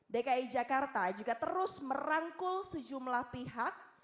dki jakarta juga terus merangkul sejumlah pihak